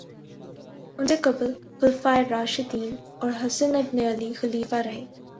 ان سے قبل خلفائے راشدین اور حسن ابن علی خلیفہ رہے